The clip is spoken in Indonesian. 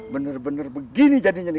bener bener begini jadinya nih